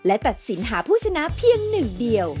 และตัดสินหาผู้ชนะเพียงหนึ่งเดียว